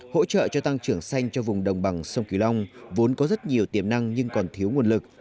hỗ trợ cho tăng trưởng xanh cho vùng đồng bằng sông kiều long vốn có rất nhiều tiềm năng nhưng còn thiếu nguồn lực